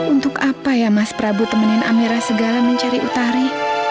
untuk apa ya mas prabu temenin amera segala mencari utari